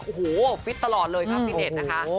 โอ้โหฟิตตลอดเลยครับฟิตเน็ตนะคะ